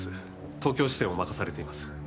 東京支店を任されています。